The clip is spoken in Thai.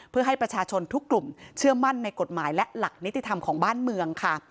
เพื่อให้ประชาชนทุกกลุ่มเชื่อมั่นในกฎหมายและหลักนิติธรรมของบ้านเมืองค่ะ